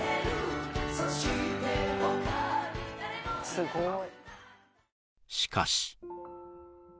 すごーい